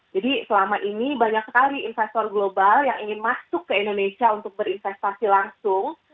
jadi selama ini banyak sekali investor global yang ingin masuk ke indonesia untuk berinvestasi langsung